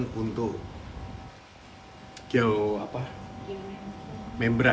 dan sudah tapi belum selesai sudah kita